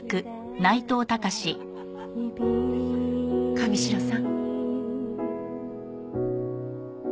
神城さん。